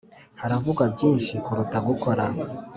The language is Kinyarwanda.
haravugwa byinshi kuruta gukora